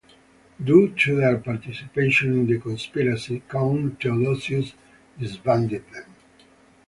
Due to their participation in the Conspiracy, Count Theodosius disbanded them.